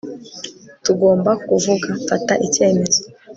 Tugomba kuvuga mfata icyemezo